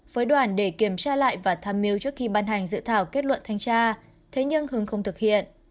với đoàn để kiểm tra lại và tham mưu trước khi ban hành dự thảo kết luận thanh tra thế nhưng hưng không thực hiện